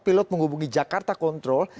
pilot menghubungi jakarta control